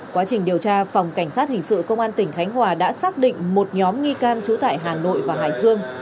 quá trình điều tra phòng cảnh sát hình sự công an tỉnh khánh hòa đã xác định một nhóm nghi can trú tại hà nội và hải dương